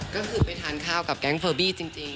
ก็คือไปทานข้าวกับแก๊งเฟอร์บี้จริง